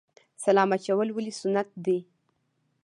سلام اچول ولې سنت دي؟